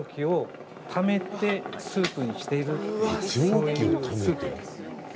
そういうスープなんですね。